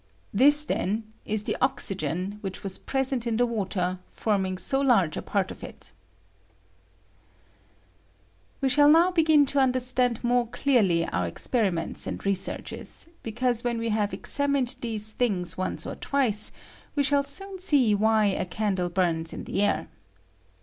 This, then, is the ox ygen which was present in the water, forming so large a part of it. 1 J PRKPAEATION OF OXYGEN. 109 "We sliall now begin to understand more clearly our experiments and reaearclies, because ■when we have examined these things once or twice we shall soon see why a candle bums in the air.